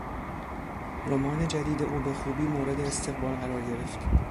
رمان جدید او به خوبی مورد استقبال قرار گرفت.